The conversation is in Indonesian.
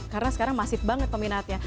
karena sekarang masih banget peminatnya